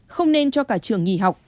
không nên cho cả trường nghỉ học